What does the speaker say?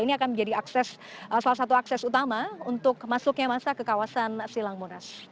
ini akan menjadi salah satu akses utama untuk masuknya masa ke kawasan silang monas